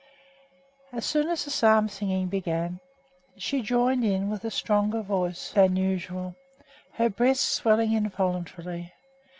As soon as the psalm singing began she joined in with a stronger voice than usual, her breast swelling involuntarily.